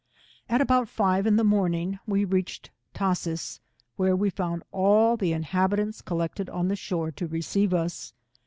At about five in the morning, we reached Tashees, where we found all the inhabi tants collected on the shore to receive us.